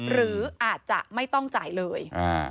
หรืออาจจะไม่ต้องจ่ายเลย